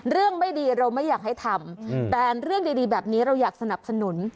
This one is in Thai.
ไม่ดีเราไม่อยากให้ทำแต่เรื่องดีแบบนี้เราอยากสนับสนุน